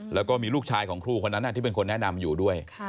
แล้วก็มีลูกชายของครูคนนั้นที่เป็นคนแนะนำอยู่ด้วย